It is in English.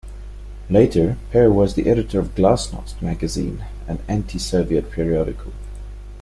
Later, Parr was the editor of "Glasnost" magazine, an anti-Soviet periodical.